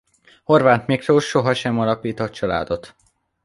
Horváth Miklós sohasem alapított családot.